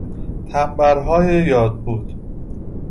تمبرهای یاد بود